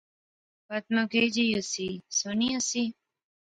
فاطمہ کئی جئی ہوسی؟ سوہنی ہوسی